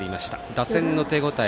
打線の手応え